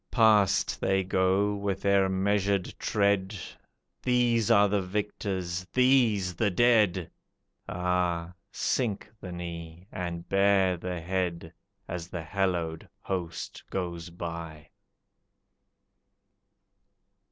Past they go with their measured tread, These are the victors, these the dead! Ah, sink the knee and bare the head As the hallowed host goes by!